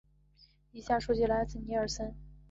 以下数据来自尼尔森。